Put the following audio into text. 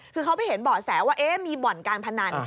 คือเขาไปเห็นเบาะแสว่ามีบ่อนการพนัน